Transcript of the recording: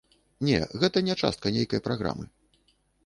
Не, гэта не частка нейкай праграмы.